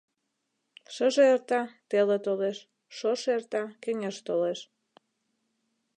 Шыже эрта, теле толеш, шошо эрта, кеҥеж толеш.